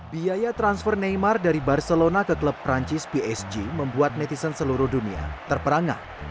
biaya transfer neymar dari barcelona ke klub perancis psg membuat netizen seluruh dunia terperangah